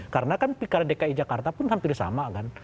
karena kan dki jakarta pun hampir sama kan